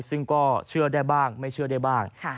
ซึ่งก็เชื่อได้บ้างไม่เชื่อได้บ้าง